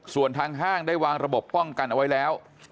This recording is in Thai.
ส่วนทางห้างได้วางระบบป้องกันเอาไว้แล้ว